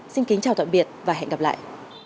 xin kính chào tạm biệt và hẹn gặp lại